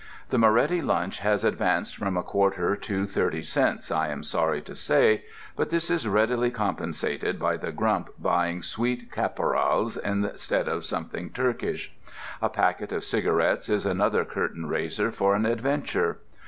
The Moretti lunch has advanced from a quarter to thirty cents, I am sorry to say, but this is readily compensated by the Grump buying Sweet Caporals instead of something Turkish. A packet of cigarettes is another curtain raiser for an adventure.